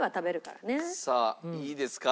さあいいですか？